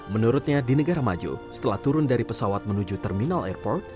menurutnya di negara maju setelah turun dari pesawat menuju terminal airport